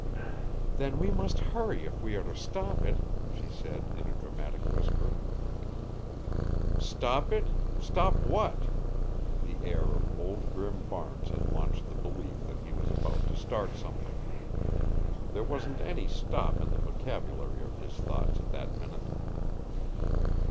"Then we must hurry if we are to stop it," she said in a dramatic whisper. "Stop it stop what?" The heir of Old Grim Barnes had launched the belief that he was about to start something. There wasn't any stop in the vocabulary of his thoughts at that minute.